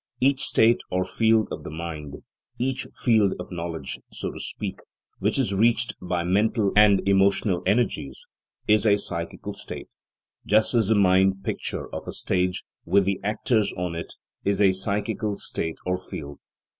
Each state or field of the mind, each field of knowledge, so to speak, which is reached by mental and emotional energies, is a psychical state, just as the mind picture of a stage with the actors on it, is a psychical state or field.